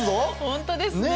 本当ですね。